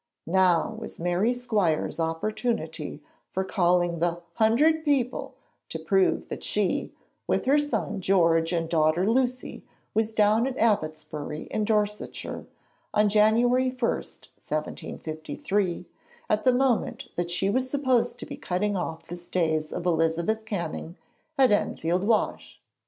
Now was Mary Squires' opportunity for calling the 'hundred people' to prove that she, with her son George and daughter Lucy, was down at Abbotsbury in Dorsetshire, on January 1, 1753, at the moment that she was supposed to be cutting off the stays of Elizabeth Canning at Enfield Wash!